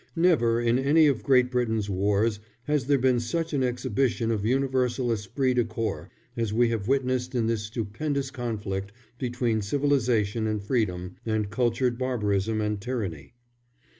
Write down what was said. Never in any of Great Britain's wars has there been such an exhibition of universal esprit de corps as we have witnessed in this stupendous conflict between civilisation and freedom and cultured barbarism and tyranny.